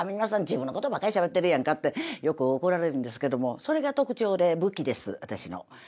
自分のことばっかりしゃべってるやんかってよく怒られるんですけどもそれが特徴で武器です私の。